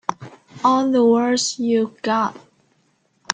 All the words you've got.